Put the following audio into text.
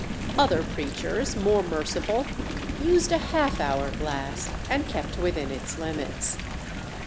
Other preachers, more merciful, used a half hour glass and kept within its limits.